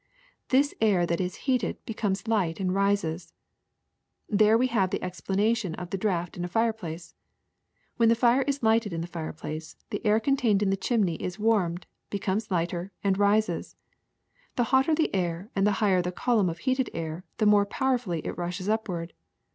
Thus air that is heated becomes light and rises. •^^ There we have the explanation of the draft in a fireplace. When the fire is lighted in the fireplace, the air contained in the chimney is warmed, becomes lighter, and rises. The hotter the air and the higher the column of heated air, the more powerfully it rushes upward.